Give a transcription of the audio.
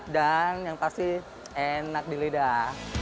dan yang pasti enak di lidah